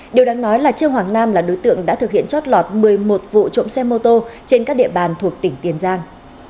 điều đáng nói là trương hoàng nam là đối tượng đã thực hiện chót lọt một mươi một vụ trộm xe mô tô trên các địa bàn thuộc tỉnh tiền giang